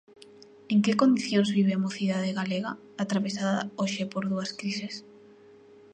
¿En que condicións vive a mocidade galega, atravesada hoxe por dúas crises?